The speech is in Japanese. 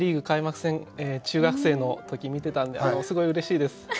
開幕戦中学生の時見てたんですごいうれしいです。